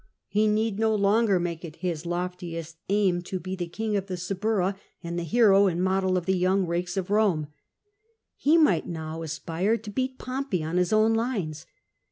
He need no longer make it his loftiest aim CiESAB 308 fco be the king of the Siiburra and the hero and model of the young rakes of Eome. He might now aspire to beat Pompey on his own lines.